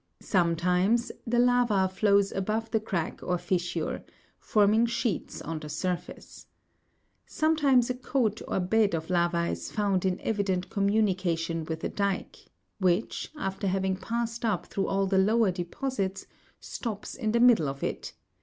Sometimes the lava flows above the crack or fissure, forming sheets on the surface. Sometimes a coat or bed of lava is found in evident communication with a dyke, which, after having passed up through all the lower deposits, stops in the middle of it (Jig.